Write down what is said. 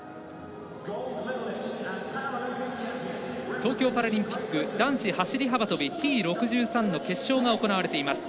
東京パラリンピック男子走り幅跳びＴ６３の決勝が行われています。